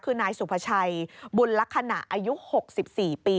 คือนายสุภาชัยบุญลักษณะอายุ๖๔ปี